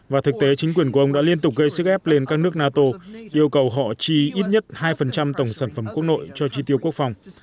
và thực tế chính quyền của ông đã liên tục gây sức ép lên các nước nato yêu cầu họ chi ít nhất hai tổng sản phẩm quốc nội cho chi tiêu quốc phòng